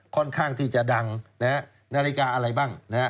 ค่อนข้างที่จะดังนาฬิกาอะไรบ้าง